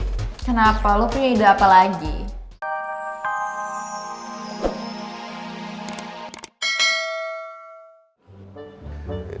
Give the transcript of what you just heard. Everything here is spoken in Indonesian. kenapa lo punya ide apa lagi